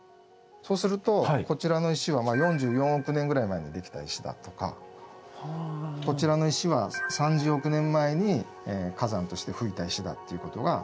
そうするとこちらの石は４４億年ぐらい前にできた石だとかこちらの石は３０億年前に火山として噴いた石だということが分かる。